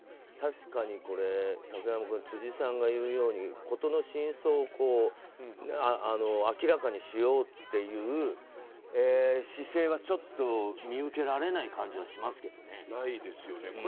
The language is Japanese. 確かに、竹山君辻さんが言うように事の真相を明らかにしようという姿勢はちょっと見受けられない感じはしますよね。